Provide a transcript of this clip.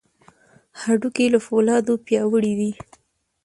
هډوکي له فولادو پیاوړي دي.